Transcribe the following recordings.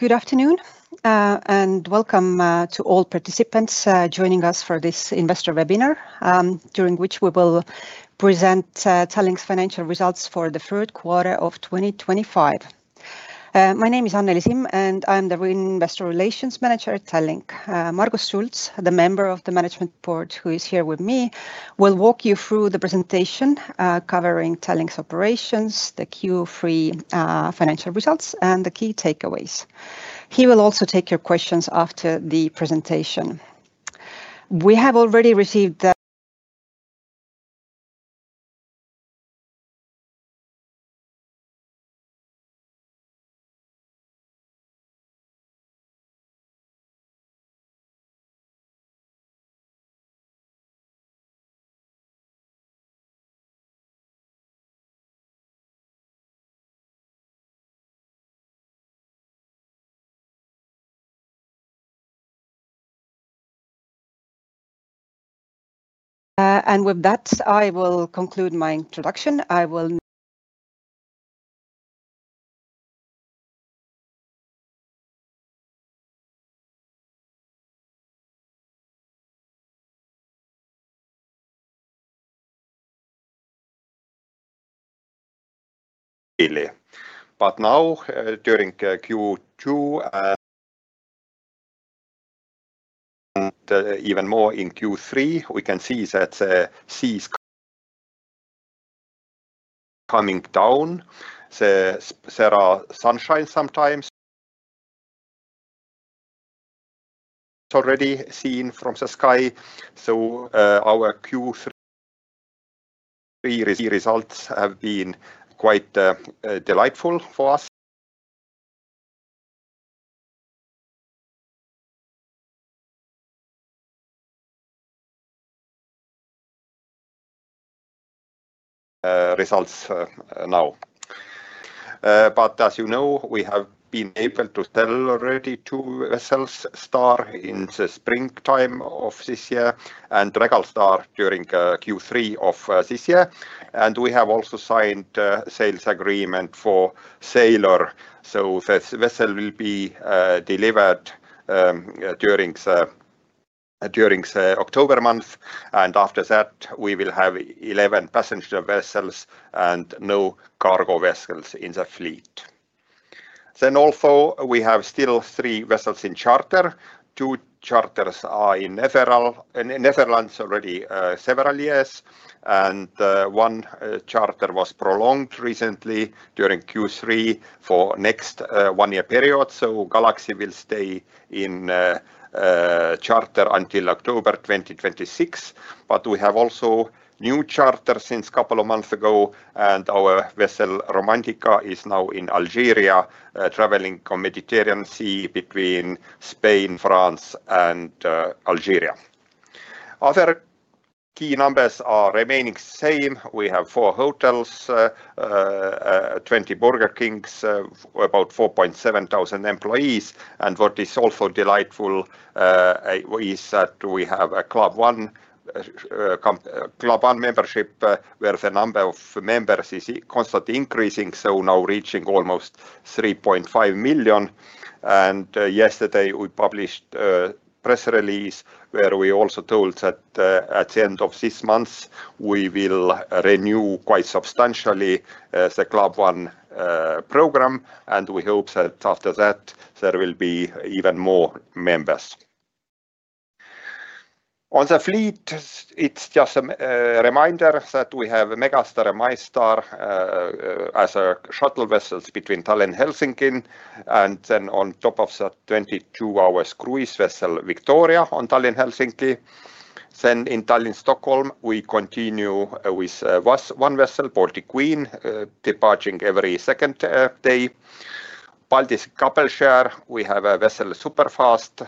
Good afternoon, and welcome to all participants joining us for this investor webinar, during which we will present Tallink's financial results for the third quarter of 2025. My name is Anneli Simm, and I am the Investor Relations Manager at AS Tallink Grupp. Margus Schults, the Member of the Management Board who is here with me, will walk you through the presentation, covering Tallink's operations, the Q3 financial results, and the key takeaways. He will also take your questions after the presentation. We have already received... With that, I will conclude my introduction. I will... Now, during Q2 and even more in Q3, we can see that the sea is coming down. The sunshine sometimes is already seen from the sky. Our Q3 results have been quite delightful for us. Results now. As you know, we have been able to sell already two vessels, Star in the springtime of this year and Regal Star during Q3 of this year. We have also signed a sales agreement for Sailor. The vessel will be delivered during the October month. After that, we will have 11 passenger vessels and no cargo vessels in the fleet. We have still three vessels in charter. Two charters are in the Netherlands already several years. One charter was prolonged recently during Q3 for the next one-year period. Galaxy will stay in charter until October 2026. We have also new charters since a couple of months ago. Our vessel Romantica is now in Algeria, traveling on the Mediterranean Sea between Spain, France, and Algeria. Other key numbers are remaining the same. We have four hotels, 20 Burger King locations, about 4,700 employees. What is also delightful is that we have a Club One membership, where the number of members is constantly increasing, now reaching almost 3.5 million. Yesterday, we published a press release where we also told that at the end of this month, we will renew quite substantially the Club One program. We hope that after that, there will be even more members. On the fleet, it's just a reminder that we have Megastar and MyStar as shuttle vessels between Tallinn and Helsinki. On top of the 22-hour cruise vessel, Victoria, on Tallinn-Helsinki. In Tallinn-Stockholm, we continue with one vessel, Baltic Queen, departing every second day. Baltic Sea cargo share, we have a vessel Superfast,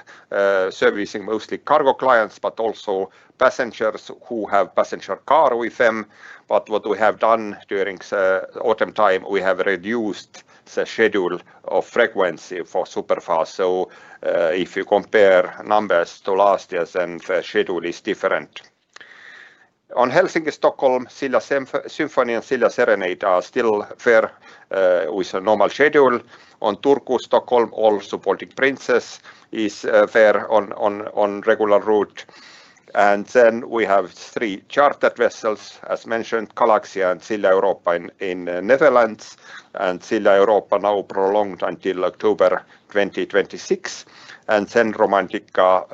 servicing mostly cargo clients, but also passengers who have a passenger car with them. What we have done during the autumn time, we have reduced the schedule of frequency for Superfast. If you compare numbers to last year, the schedule is different. On Helsinki-Stockholm, Silja Symphony and Silja Serenade are still there with a normal schedule. On Turku-Stockholm, also Baltic Princess is there on a regular route. We have three chartered vessels, as mentioned, Galaxy and Silja Europa in the Netherlands. Silja Europa now prolonged until October 2026. Romantica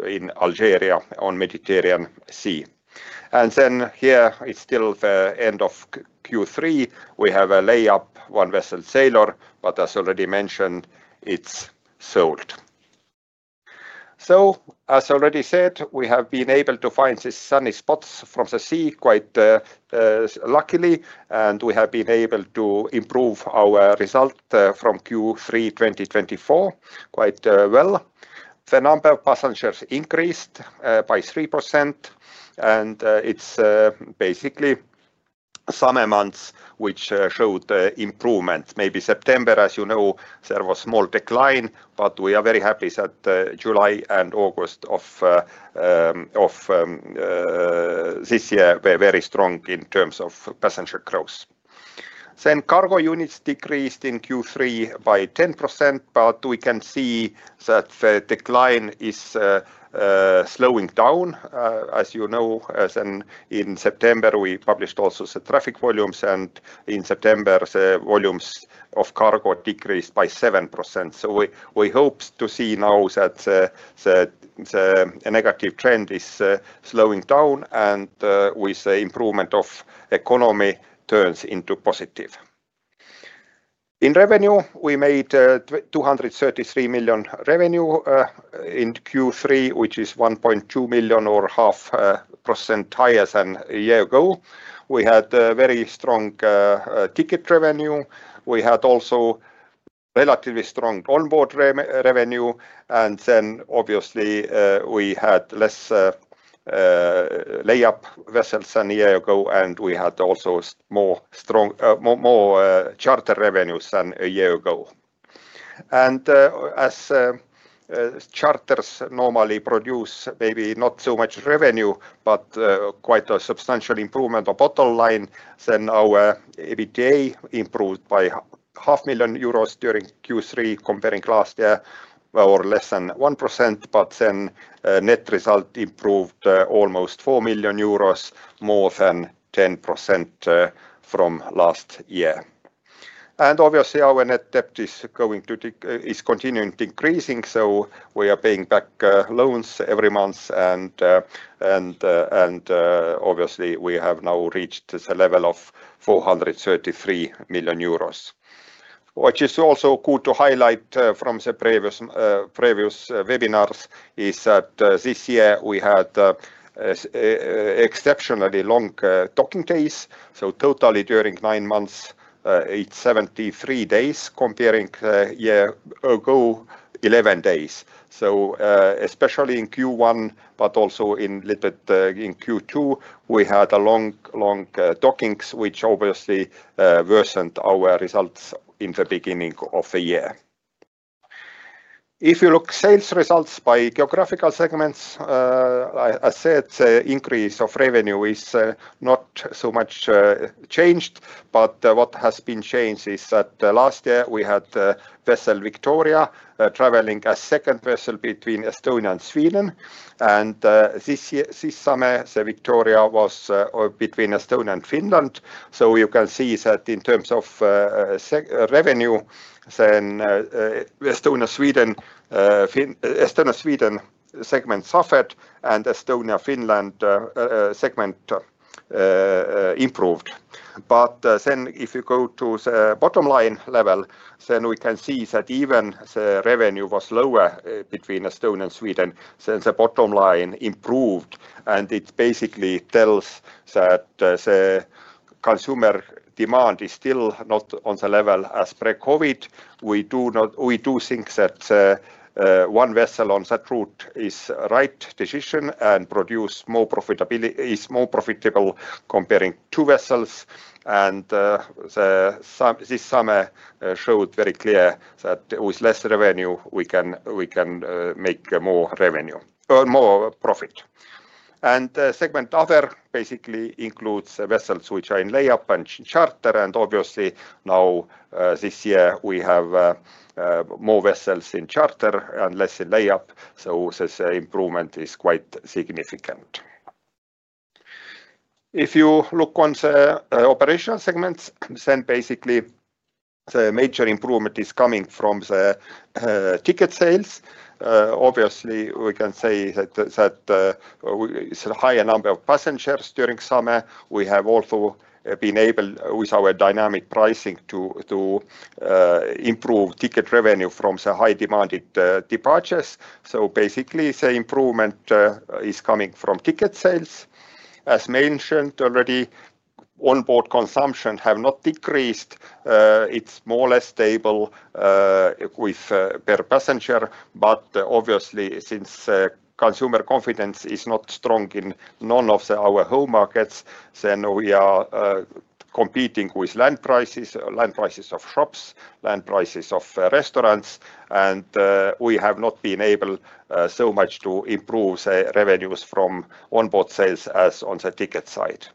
is in Algeria on the Mediterranean Sea. Here, it's still the end of Q3. We have a layup, one vessel, Sailor, but as already mentioned, it's sold. As already said, we have been able to find these sunny spots from the sea quite luckily. We have been able to improve our result from Q3 2024 quite well. The number of passengers increased by 3%. It's basically summer months which showed improvement. Maybe September, as you know, there was a small decline. We are very happy that July and August of this year were very strong in terms of passenger growth. Cargo units decreased in Q3 by 10%. We can see that the decline is slowing down. As you know, in September, we published also the traffic volumes. In September, the volumes of cargo decreased by 7%. We hope to see now that the negative trend is slowing down. With the improvement of the economy, it turns into positive. In revenue, we made €233 million revenue in Q3, which is €1.2 million or 0.5% higher than a year ago. We had very strong ticket revenue. We had also relatively strong onboard revenue. Obviously, we had fewer layup vessels than a year ago. We had also more charter revenues than a year ago. As charters normally produce maybe not so much revenue, but quite a substantial improvement of bottom line, our EBITDA improved by €0.5 million during Q3 comparing last year or less than 1%. Net result improved almost €4 million, more than 10% from last year. Obviously, our net debt is continuing to increase. We are paying back loans every month. Obviously, we have now reached the level of €433 million. What is also good to highlight from the previous webinars is that this year we had exceptionally long docking days. Totally during nine months, it's 73 days comparing a year ago, 11 days. Especially in Q1, but also a little bit in Q2, we had long dockings, which obviously worsened our results in the beginning of the year. If you look at sales results by geographical segments, as I said, the increase of revenue is not so much changed. What has been changed is that last year we had the vessel Victoria traveling as a second vessel between Estonia and Sweden. This summer, the Victoria was between Estonia and Finland. You can see that in terms of revenue, Estonia-Sweden segment suffered, and Estonia-Finland segment improved. If you go to the bottom line level, we can see that even the revenue was lower between Estonia and Sweden, the bottom line improved. It basically tells that the consumer demand is still not on the level as pre-COVID. We do think that one vessel on that route is the right decision and is more profitable comparing two vessels. This summer showed very clear that with less revenue, we can make more profit. The segment other basically includes vessels which are in layup and charter. Obviously, now this year we have more vessels in charter and less in layup. This improvement is quite significant. If you look on the operational segments, then basically the major improvement is coming from the ticket sales. Obviously, we can say that with a higher number of passengers during summer, we have also been able with our dynamic pricing to improve ticket revenue from the high demanded departures. Basically, the improvement is coming from ticket sales. As mentioned already, onboard consumption has not decreased. It's more or less stable with per passenger. Obviously, since consumer confidence is not strong in none of our home markets, we are competing with land prices, land prices of shops, land prices of restaurants. We have not been able so much to improve the revenues from onboard sales as on the ticket side.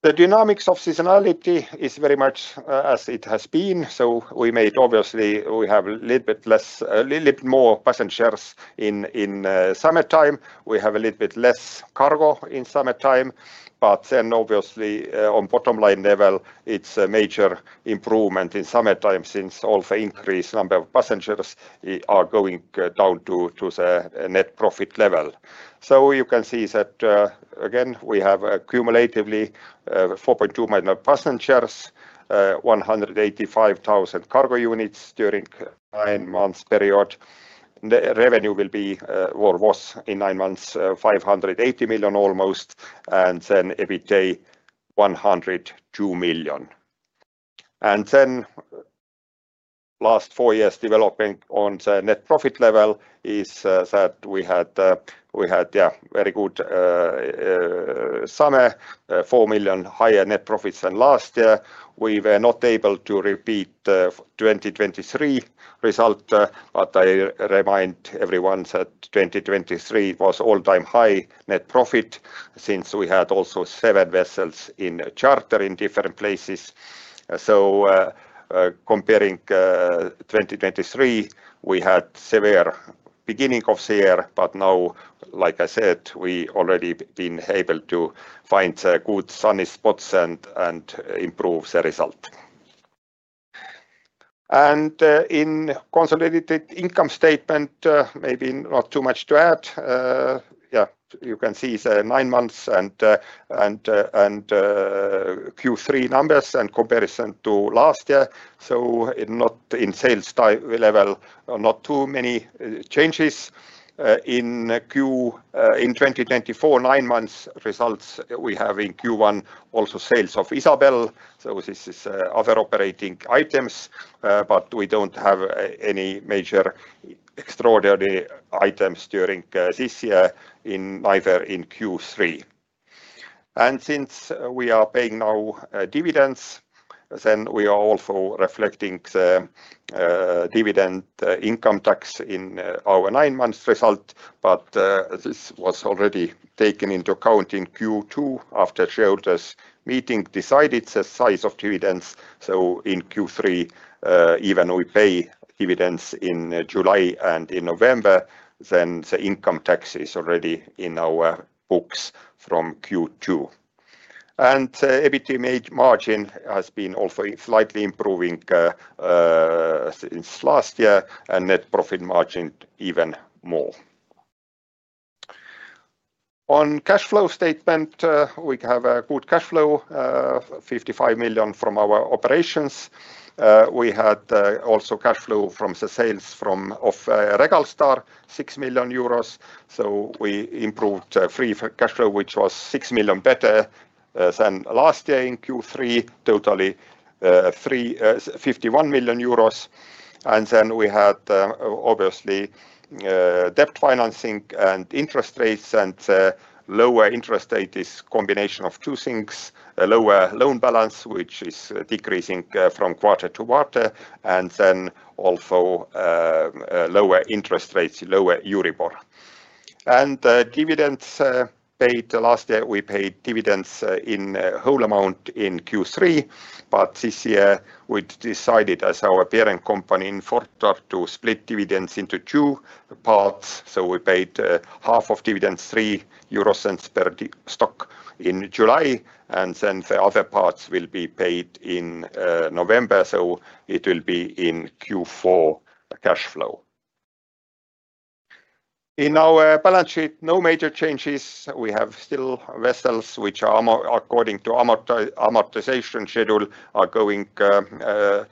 The dynamics of seasonality is very much as it has been. We made, obviously, we have a little bit less, a little bit more passengers in summertime. We have a little bit less cargo in summertime. Obviously, on the bottom line level, it's a major improvement in summertime since all the increased number of passengers are going down to the net profit level. You can see that again, we have cumulatively 4.2 million passengers, 185,000 cargo units during the nine-month period. The revenue will be or was in nine months €580 million almost. EBITDA €102 million. The last four years developing on the net profit level is that we had a very good summer, €4 million higher net profits than last year. We were not able to repeat the 2023 result. I remind everyone that 2023 was an all-time high net profit since we had also seven vessels in charter in different places. Comparing 2023, we had a severe beginning of the year. Now, like I said, we have already been able to find good sunny spots and improve the result. In the consolidated income statement, maybe not too much to add. You can see the nine months and Q3 numbers in comparison to last year. Not in sales level, not too many changes. In 2024, nine months results we have in Q1 also sales of Isabelle. This is other operating items. We don't have any major extraordinary items during this year in either in Q3. Since we are paying now dividends, we are also reflecting the dividend income tax in our nine-month result. This was already taken into account in Q2 after shareholders' meeting decided the size of dividends. In Q3, even we pay dividends in July and in November, the income tax is already in our books from Q2. The EBITDA margin has been also slightly improving since last year, and net profit margin even more. On the cash flow statement, we have a good cash flow, €55 million from our operations. We had also cash flow from the sales of Regal Star, €6 million. We improved free cash flow, which was €6 million better than last year in Q3, totally €51 million. We had obviously debt financing and interest rates. The lower interest rate is a combination of two things: a lower loan balance, which is decreasing from quarter to quarter, and also lower interest rates, lower Euribor. Dividends paid last year, we paid dividends in the whole amount in Q3. This year, we decided as our parent company in Fortor to split dividends into two parts. We paid half of dividends, €0.03 per stock in July, and the other parts will be paid in November. It will be in Q4 cash flow. In our balance sheet, no major changes. We have still vessels, which are according to amortization schedule, the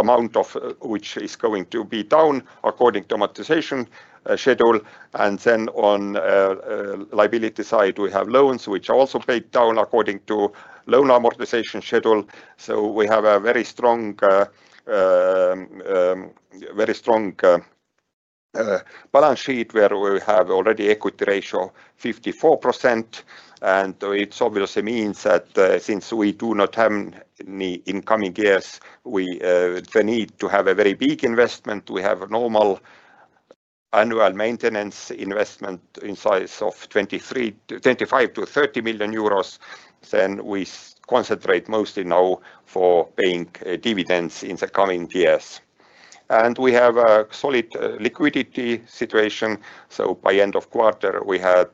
amount of which is going to be down according to amortization schedule. On the liability side, we have loans, which are also paid down according to loan amortization schedule. We have a very strong balance sheet where we have already an equity ratio of 54%. It obviously means that since we do not have any incoming years, we need to have a very big investment. We have a normal annual maintenance investment in the size of €25 million-€30 million. We concentrate mostly now for paying dividends in the coming years. We have a solid liquidity situation. By the end of the quarter, we had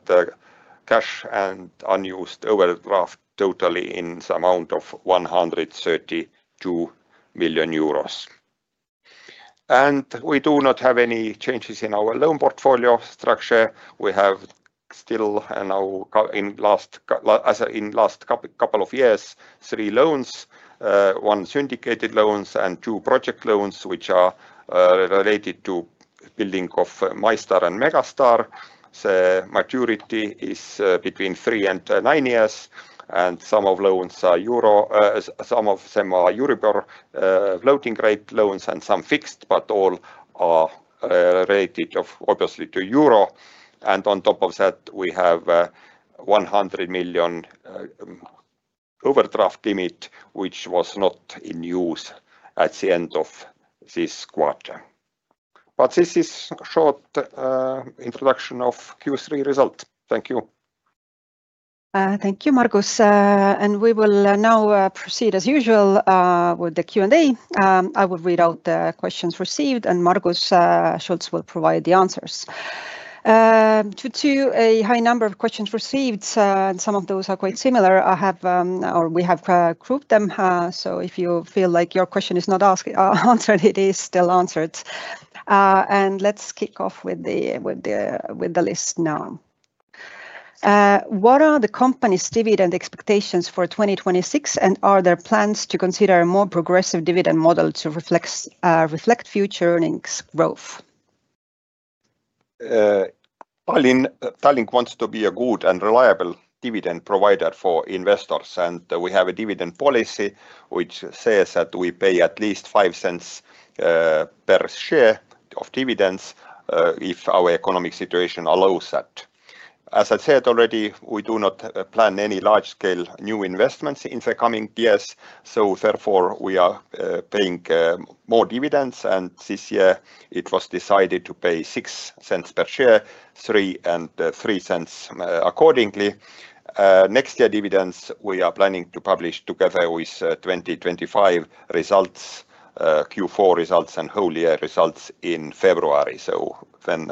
cash and unused overdraft totally in the amount of €132 million. We do not have any changes in our loan portfolio structure. We have still now, in the last couple of years, three loans, one syndicated loan and two project loans, which are related to the building of MyStar and Megastar. The maturity is between three and nine years. Some of the loans are Euribor floating rate loans, and some fixed, but all are related obviously to Euribor. On top of that, we have a €100 million overdraft limit, which was not in use at the end of this quarter. This is a short introduction of Q3 result. Thank you. Thank you, Margus. We will now proceed as usual with the Q&A. I will read out the questions received, and Margus Schults will provide the answers. Due to a high number of questions received, and some of those are quite similar, we have grouped them. If you feel like your question is not answered, it is still answered. Let's kick off with the list now. What are the company's dividend expectations for 2026, and are there plans to consider a more progressive dividend model to reflect future earnings growth? Tallink Grupp wants to be a good and reliable dividend provider for investors. We have a dividend policy which says that we pay at least €0.05 per share of dividends if our economic situation allows that. As I said already, we do not plan any large-scale new investments in the coming years, therefore, we are paying more dividends. This year, it was decided to pay $0.06 per share, $0.03 and $0.03 accordingly. Next year's dividends, we are planning to publish together with 2025 results, Q4 results, and whole year results in February.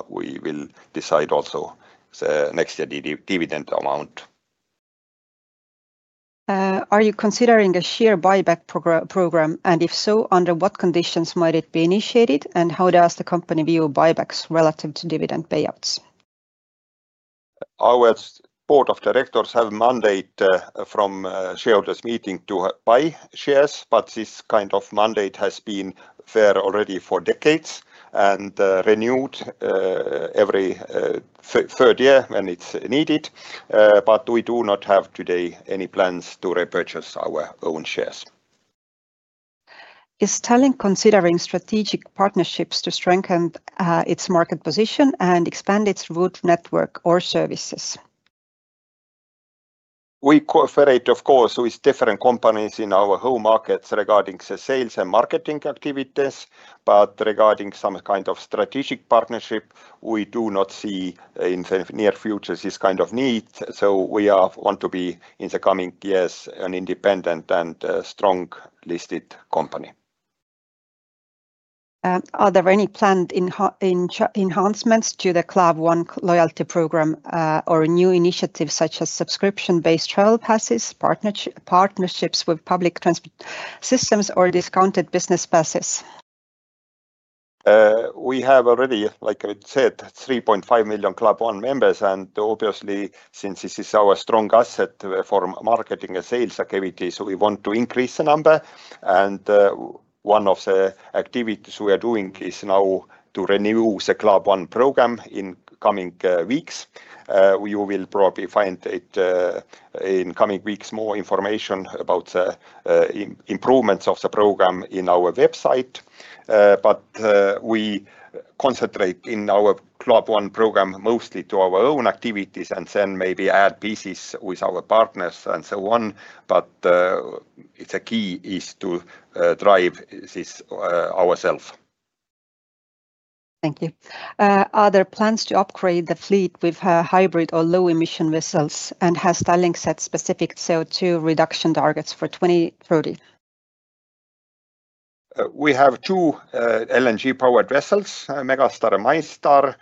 We will decide also the next year's dividend amount then. Are you considering a share buyback program? If so, under what conditions might it be initiated? How does the company view buybacks relative to dividend payouts? Our Board of Directors have a mandate from the shareholders' meeting to buy shares. This kind of mandate has been there already for decades and is renewed every third year when it's needed. We do not have today any plans to repurchase our own shares. Is Tallink considering strategic partnerships to strengthen its market position and expand its route network or services? We cooperate, of course, with different companies in our home markets regarding the sales and marketing activities. Regarding some kind of strategic partnership, we do not see in the near future this kind of need. We want to be, in the coming years, an independent and strong listed company. Are there any planned enhancements to the Club One loyalty program or new initiatives such as subscription-based travel passes, partnerships with public transport systems, or discounted business passes? We have already, like I said, 3.5 million Club One members. Obviously, since this is our strong asset for marketing and sales activities, we want to increase the number. One of the activities we are doing is now to renew the Club One program in the coming weeks. You will probably find in the coming weeks more information about the improvements of the program on our website. We concentrate in our Club One program mostly on our own activities and then maybe add pieces with our partners and so on. The key is to drive this ourselves. Thank you. Are there plans to upgrade the fleet with hybrid or low-emission vessels? Has Tallink set specific CO2 reduction targets for 2030? We have two LNG-powered vessels, Megastar and MyStar.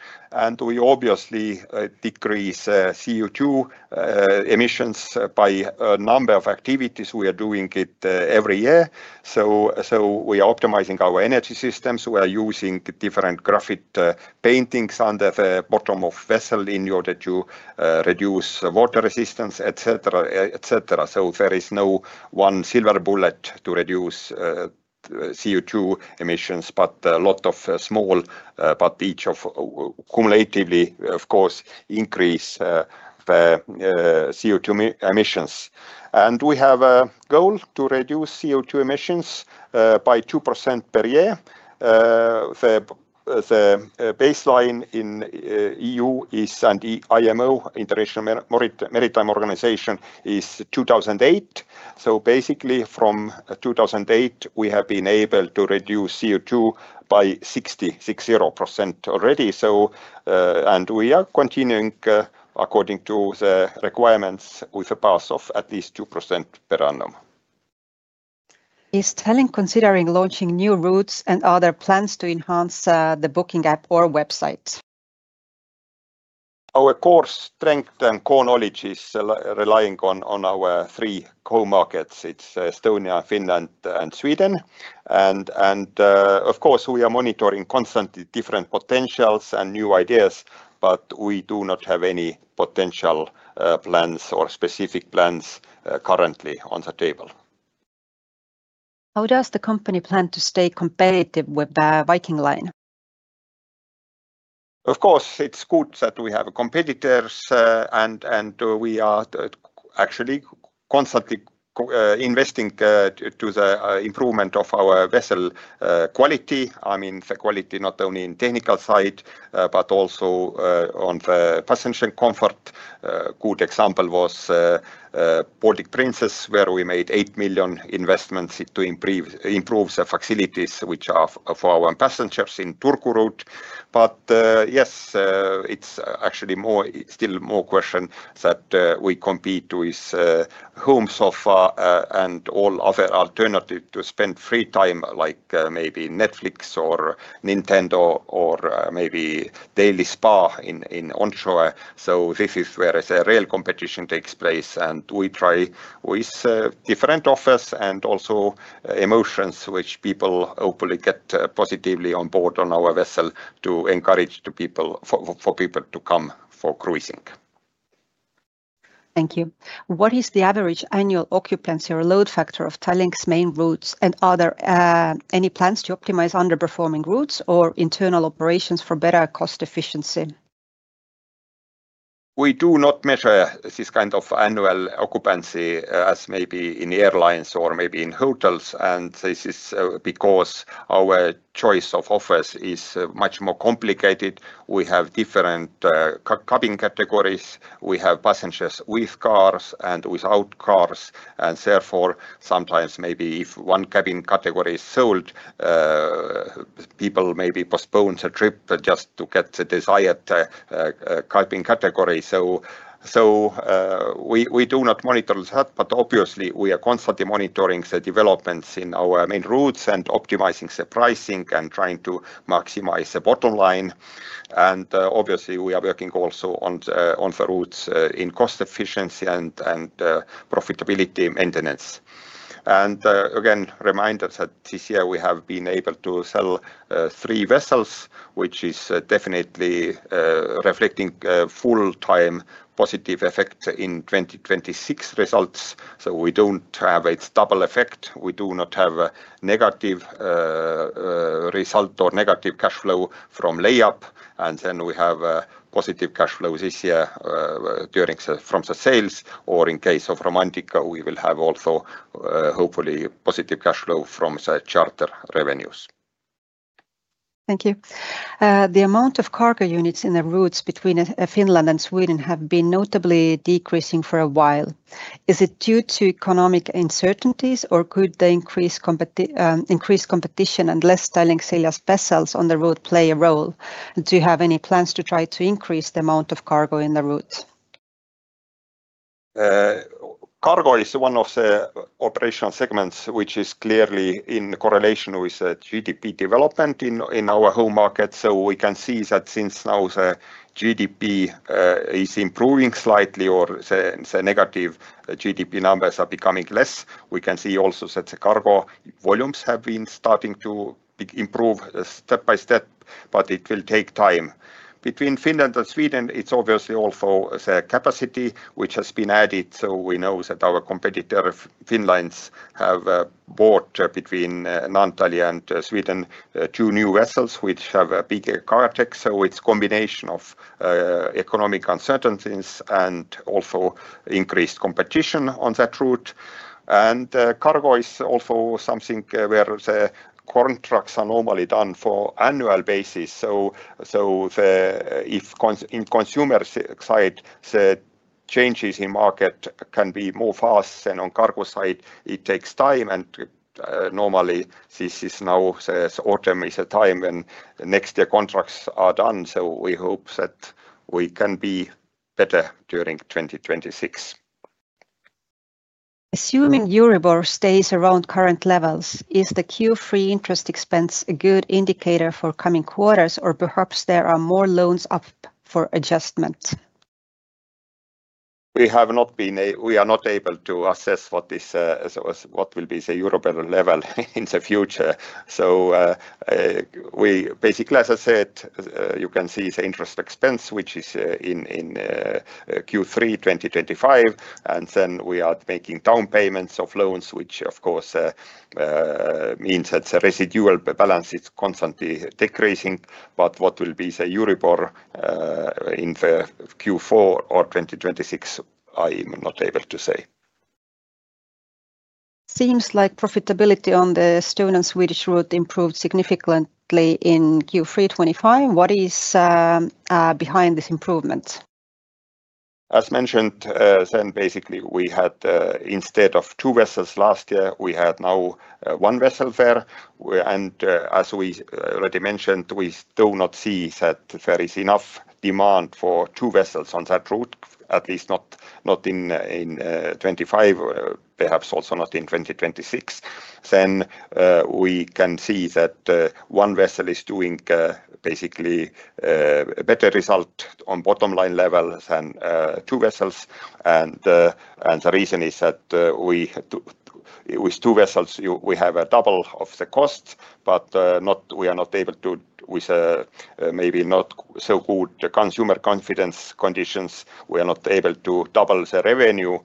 We obviously decrease CO2 emissions by a number of activities. We are doing it every year. We are optimizing our energy systems. We are using different graphite paintings under the bottom of vessels in order to reduce water resistance, et cetera, et cetera. There is no one silver bullet to reduce CO2 emissions, but a lot of small, but each of cumulatively, of course, increase the CO2 emissions. We have a goal to reduce CO2 emissions by 2% per year. The baseline in the EU and IMO, International Maritime Organization, is 2008. Basically, from 2008, we have been able to reduce CO2 by 60%, 60% already. We are continuing according to the requirements with a pass of at least 2% per annum. Is AS Tallink Grupp considering launching new routes and other plans to enhance the booking app or website? Our core strength and core knowledge is relying on our three core markets. It's Estonia, Finland, and Sweden. Of course, we are monitoring constantly different potentials and new ideas, but we do not have any potential plans or specific plans currently on the table. How does the company plan to stay competitive with the Viking Line? Of course, it's good that we have competitors. We are actually constantly investing in the improvement of our vessel quality. I mean the quality not only on the technical side, but also on the passenger comfort. A good example was Baltic Princess, where we made $8 million investments to improve the facilities, which are for our passengers in Turku route. Yes, it's actually still more a question that we compete with home sofa and all other alternatives to spend free time, like maybe Netflix or Nintendo or maybe daily spa in onshore. This is where the real competition takes place. We try with different offers and also emotions, which people hopefully get positively on board on our vessel to encourage people to come for cruising. Thank you. What is the average annual occupancy or load factor of AS Tallink Grupp's main routes? Are there any plans to optimize underperforming routes or internal operations for better cost efficiency? We do not measure this kind of annual occupancy as maybe in airlines or maybe in hotels. This is because our choice of offers is much more complicated. We have different cabin categories. We have passengers with cars and without cars. Therefore, sometimes maybe if one cabin category is sold, people maybe postpone the trip just to get the desired cabin category. We do not monitor that. Obviously, we are constantly monitoring the developments in our main routes and optimizing the pricing and trying to maximize the bottom line. Obviously, we are working also on the routes in cost efficiency and profitability maintenance. Again, reminders that this year we have been able to sell three vessels, which is definitely reflecting full-time positive effects in 2026 results. We don't have a double effect. We do not have a negative result or negative cash flow from layup. We have positive cash flows this year from the sales. In case of Romantica, we will have also hopefully positive cash flow from the charter revenues. Thank you. The amount of cargo units in the routes between Finland and Sweden has been notably decreasing for a while. Is it due to economic uncertainties, or could the increased competition and fewer AS Tallink Grupp vessels on the route play a role? Do you have any plans to try to increase the amount of cargo in the route? Cargo is one of the operational segments which is clearly in correlation with the GDP development in our home market. We can see that since now the GDP is improving slightly or the negative GDP numbers are becoming less, we can see also that the cargo volumes have been starting to improve step by step. It will take time. Between Finland and Sweden, it's obviously also the capacity which has been added. We know that our competitor, Finland's, have bought between Antalya and Sweden two new vessels which have a bigger carjack. It's a combination of economic uncertainties and also increased competition on that route. Cargo is also something where the contract is normally done for an annual basis. If in the consumer side, the changes in the market can be more fast than on the cargo side, it takes time. Normally, this is now the autumn is a time when next year contracts are done. We hope that we can be better during 2026. Assuming Euribor stays around current levels, is the Q3 interest expense a good indicator for coming quarters, or perhaps there are more loans up for adjustment? We have not been, we are not able to assess what will be the Euribor level in the future. You can see the interest expense which is in Q3 2025, and then we are making down payments of loans, which of course means that the residual balance is constantly decreasing. What will be the Euribor in the Q4 or 2026, I am not able to say. Seems like profitability on the Estonia-Sweden route improved significantly in Q3 2025. What is behind this improvement? As mentioned, basically we had instead of two vessels last year, we had now one vessel there. As we already mentioned, we do not see that there is enough demand for two vessels on that route, at least not in 2025, perhaps also not in 2026. We can see that one vessel is doing basically a better result on the bottom line level than two vessels. The reason is that with two vessels, we have double the costs, but we are not able to, with maybe not so good consumer confidence conditions, we are not able to double the revenue.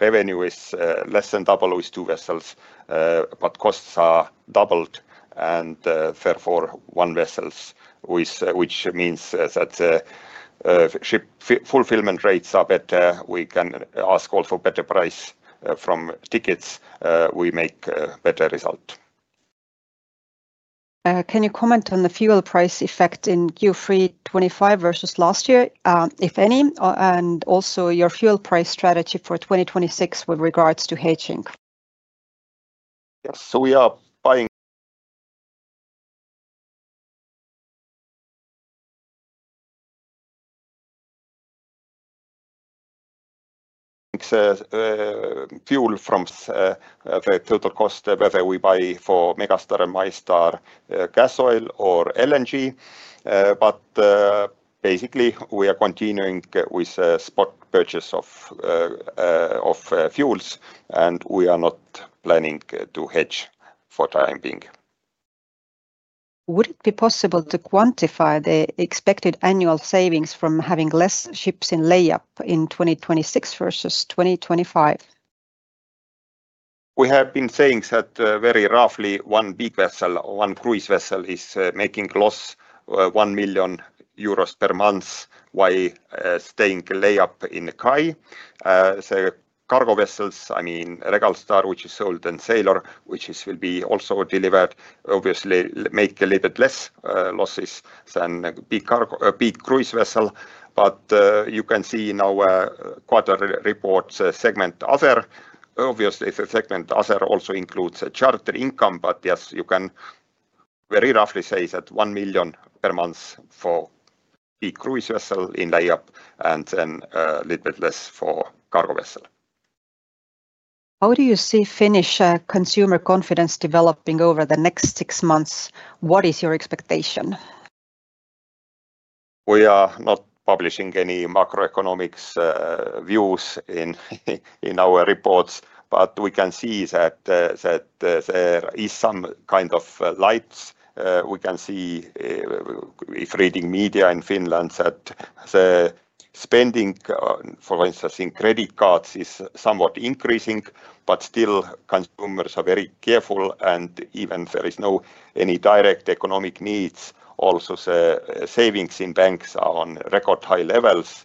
Revenue is less than double with two vessels, but costs are doubled. Therefore, one vessel, which means that the ship fulfillment rates are better, we can ask all for a better price from tickets, we make a better result. Can you comment on the fuel price effect in Q3 2025 versus last year, if any, and also your fuel price strategy for 2026 with regards to hedging? Yes, we are buying fuel from the total cost, whether we buy for Megastar and MyStar gas oil or LNG. Basically, we are continuing with spot purchase of fuels, and we are not planning to hedge for the time being. Would it be possible to quantify the expected annual savings from having less ships in layup in 2026 versus 2025? We have been saying that very roughly one big vessel, one cruise vessel, is making a loss of €1 million per month while staying in layup in the quay. The cargo vessels, I mean Regal Star, which is sold, and Sailor, which will be also delivered, obviously make a little bit less losses than a big cruise vessel. You can see now quarter reports segment other. The segment other also includes charter income. You can very roughly say that €1 million per month for a big cruise vessel in layup and then a little bit less for a cargo vessel. How do you see Finnish consumer confidence developing over the next six months? What is your expectation? We are not publishing any macroeconomic views in our reports, but we can see that there is some kind of light. We can see if reading media in Finland that the spending, for instance, in credit cards is somewhat increasing, but still consumers are very careful. Even there is no direct economic needs. Also, the savings in banks are on record high levels.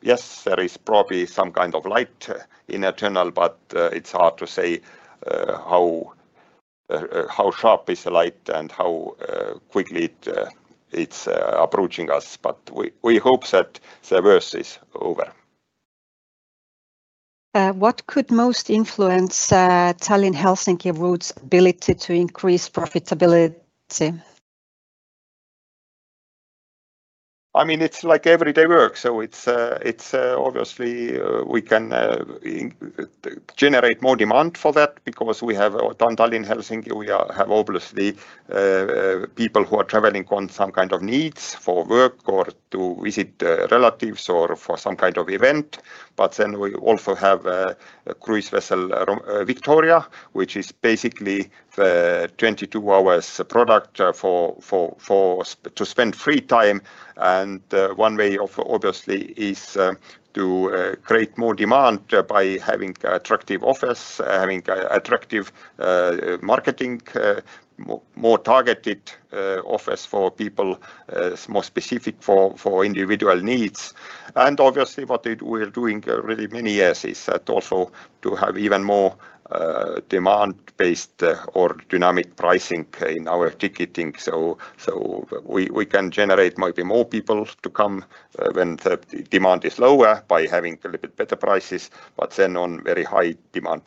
Yes, there is probably some kind of light in the journal, but it's hard to say how sharp is the light and how quickly it's approaching us. We hope that the worst is over. What could most influence Tallinn-Helsinki route's ability to increase profitability? I mean, it's like everyday work. It's obviously we can generate more demand for that because we have down Tallinn-Helsinki. We have obviously people who are traveling on some kind of needs for work or to visit relatives or for some kind of event. We also have a cruise vessel Victoria, which is basically the 22-hour product for to spend free time. One way of obviously is to create more demand by having attractive offers, having attractive marketing, more targeted offers for people, more specific for individual needs. Obviously, what we are doing really many years is that also to have even more demand-based or dynamic pricing in our ticketing. We can generate maybe more people to come when the demand is lower by having a little bit better prices. On very high demand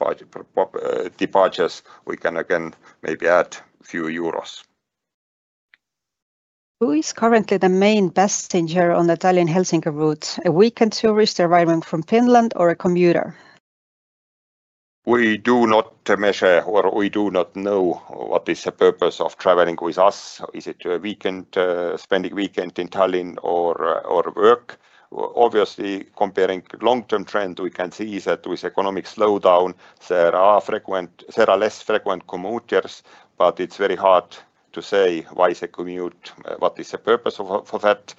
departures, we can again maybe add a few euros. Who is currently the main passenger on the Tallinn-Helsinki route? A weekend tourist, a rider from Finland, or a commuter? We do not measure or we do not know what is the purpose of traveling with us. Is it a weekend, spending a weekend in Tallinn or work? Obviously, comparing the long-term trend, we can see that with economic slowdown, there are less frequent commuters. It's very hard to say why they commute, what is the purpose for that.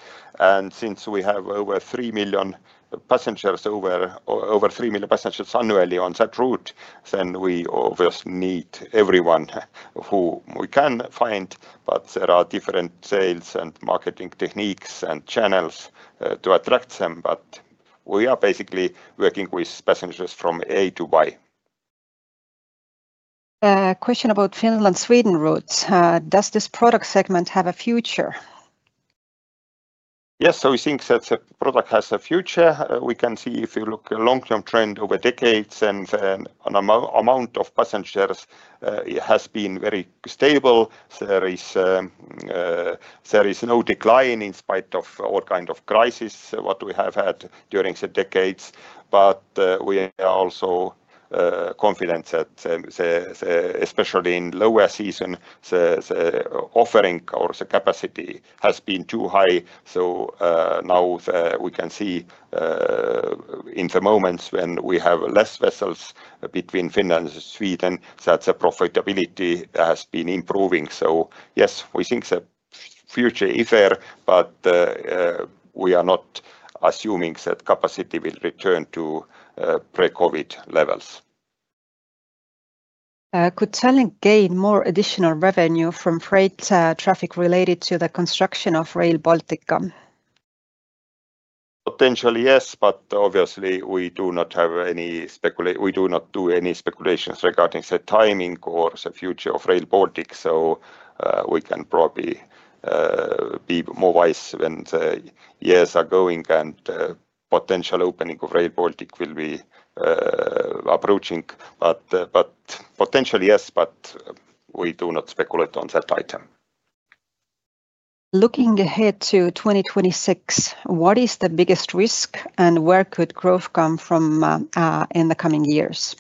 Since we have over 3 million passengers annually on that route, we obviously need everyone who we can find. There are different sales and marketing techniques and channels to attract them. We are basically working with passengers from A to Y. Question about Finland-Sweden routes. Does this product segment have a future? Yes, so we think that the product has a future. We can see if you look at the long-term trend over decades, the amount of passengers has been very stable. There is no decline in spite of all kinds of crises that we have had during the decades. We are also confident that especially in the lower season, the offering or the capacity has been too high. Now we can see in the moments when we have less vessels between Finland and Sweden, that the profitability has been improving. Yes, we think the future is there, but we are not assuming that capacity will return to pre-COVID levels. AS Tallink Grupp gain more additional revenue from freight traffic related to the construction of Rail Baltica? Potentially, yes, but obviously we do not have any speculation. We do not do any speculations regarding the timing or the future of Rail Baltic. We can probably be more wise when the years are going and the potential opening of Rail Baltic will be approaching. Potentially, yes, but we do not speculate on that item. Looking ahead to 2026, what is the biggest risk and where could growth come from in the coming years?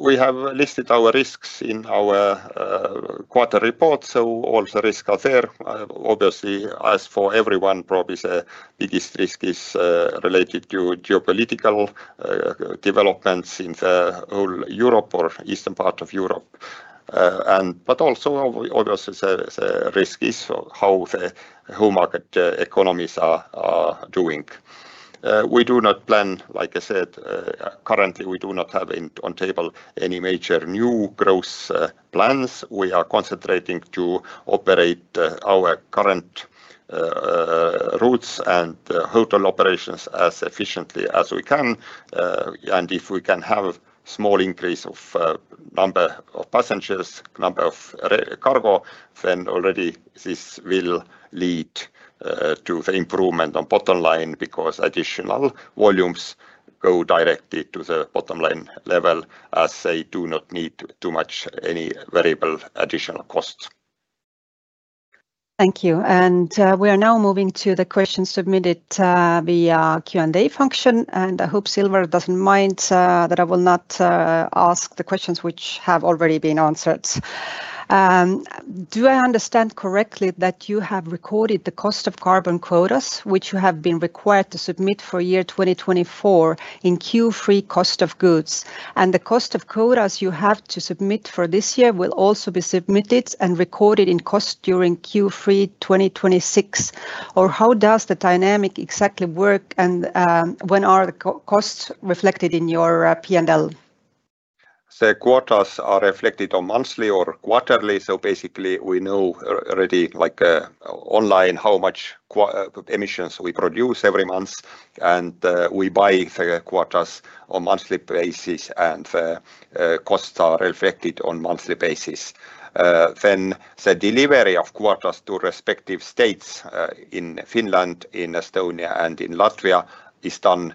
We have listed our risks in our quarter report. All the risks are there. Obviously, as for everyone, probably the biggest risk is related to geopolitical developments in the whole Europe or eastern part of Europe. Also, obviously, the risk is how the home market economies are doing. We do not plan, like I said, currently we do not have on table any major new growth plans. We are concentrating to operate our current routes and hotel operations as efficiently as we can. If we can have a small increase of the number of passengers, the number of cargo, then already this will lead to the improvement on the bottom line because additional volumes go directly to the bottom line level as they do not need too much any variable additional costs. Thank you. We are now moving to the questions submitted via Q&A function. I hope Silver doesn't mind that I will not ask the questions which have already been answered. Do I understand correctly that you have recorded the cost of carbon quotas which you have been required to submit for year 2024 in Q3 cost of goods? The cost of quotas you have to submit for this year will also be submitted and recorded in cost during Q3 2026? How does the dynamic exactly work and when are the costs reflected in your P&L? The quotas are reflected on monthly or quarterly. Basically, we know already online how much emissions we produce every month, and we buy the quotas on a monthly basis. The costs are reflected on a monthly basis. The delivery of quotas to respective states in Finland, Estonia, and Latvia is done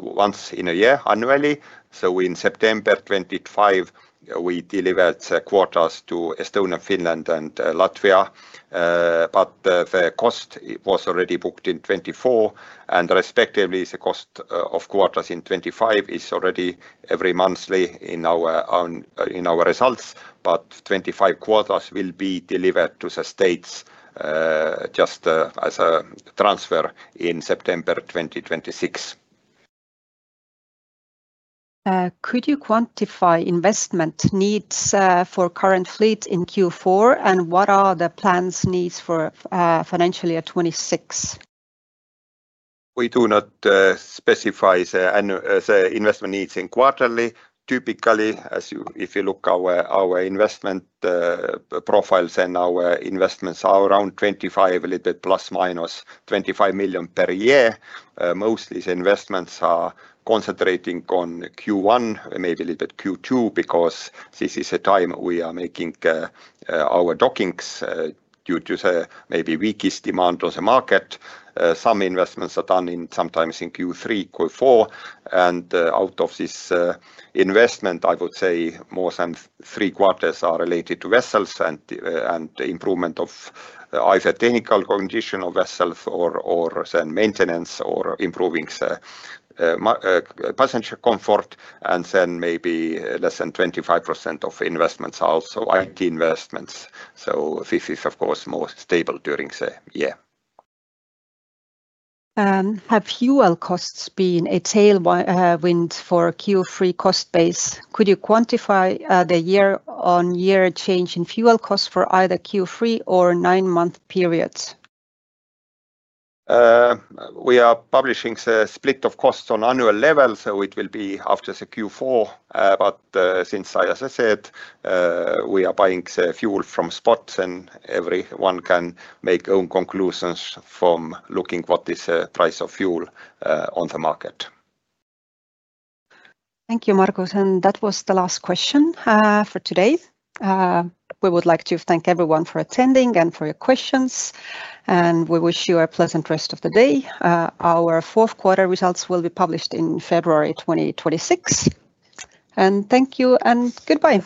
once in a year annually. In September 2025, we delivered the quotas to Estonia, Finland, and Latvia, but the cost was already booked in 2024. Respectively, the cost of quotas in 2025 is already every monthly in our results. 2025 quotas will be delivered to the states just as a transfer in September 2026. Could you quantify investment needs for current fleet in Q4? What are the plans' needs for financial year 2026? We do not specify the investment needs in quarterly. Typically, if you look at our investment profiles, then our investments are around €25 million, a little bit plus minus, €25 million per year. Mostly, the investments are concentrating on Q1, maybe a little bit Q2, because this is the time we are making our dockings due to the maybe weakest demand on the market. Some investments are done sometimes in Q3, Q4. Out of this investment, I would say more than 75% are related to vessels and the improvement of either technical condition of vessels or then maintenance or improving passenger comfort. Maybe less than 25% of investments are also IT investments. This is, of course, more stable during the year. Have fuel costs been a tailwind for Q3 cost base? Could you quantify the year-on-year change in fuel costs for either Q3 or nine-month periods? We are publishing the split of costs on annual levels. It will be after the Q4. As I said, we are buying the fuel from spots, and everyone can make their own conclusions from looking at what is the price of fuel on the market. Thank you, Margus. That was the last question for today. We would like to thank everyone for attending and for your questions. We wish you a pleasant rest of the day. Our fourth quarter results will be published in February 2026. Thank you and goodbye.